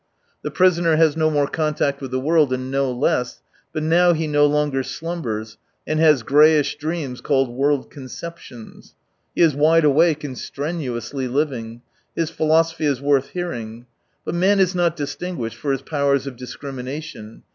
The prisoner has no more contact with the world, and no less. But now he no longer slumbers and has grayish dreams called world conceptions. He is wide awake and strenuously living. His philosophy is worth hearing. But man is not distinguished for his powers of discrimination.